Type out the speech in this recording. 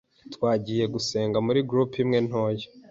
Twagiye gusenga muri groupe imwe ntoya,